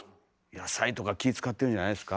野菜とか気ぃ遣ってるんじゃないですか？